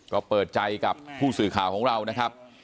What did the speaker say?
ก็เปิดใจกับผู้สื่อข่าวของเรานะครับ